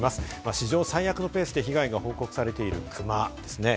史上最悪のペースで被害が報告されているクマですね。